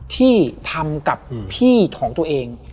ที่ทำกับพี่ของตัวเอง